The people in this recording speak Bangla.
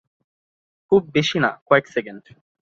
খুব বেশি না, কয়েক সেকেন্ড ।